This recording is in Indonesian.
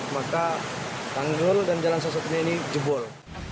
maka tanggul dan jalan sosoknya ini jebol